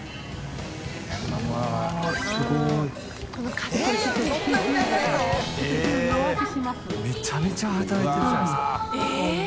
中島）めちゃめちゃ働いてるじゃないですか。